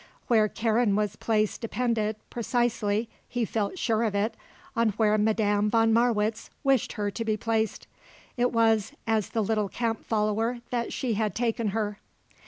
Where Karen was placed depended, precisely, he felt sure of it, on where Madame von Marwitz wished her to be placed. It was as the little camp follower that she had taken her.